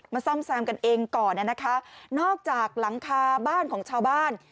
ซ่อมแซมกันเองก่อนนะคะนอกจากหลังคาบ้านของชาวบ้าน